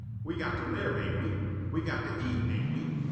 We got to live, ain't we? We got to eat, ain't we?